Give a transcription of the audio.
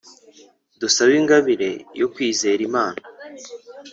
dusabe ingabire yo kumwizera imana